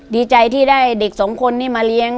ดีใจที่ได้เด็กสองคนนี้มาเลี้ยง